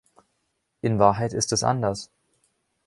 In Wahrheit ist es anders.